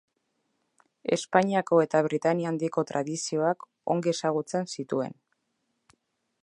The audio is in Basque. Espainiako eta Britainia Handiko tradizioak ongi ezagutzen zituen.